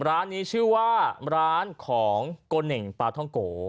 ร้านนี้ชื่อว่าร้านของโกเน่งปลาท่องโก